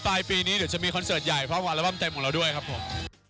ปลายปีนี้เดี๋ยวจะมีคอนเสิร์ตใหญ่เพราะวาระบั้มเต็มของเราด้วยครับผม